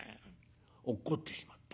落っこってしまった。